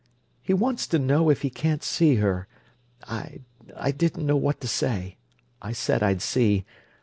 "He wants to know if he can't see her. I didn't know what to say. I said I'd see.